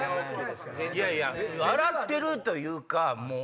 いやいや笑ってるというか。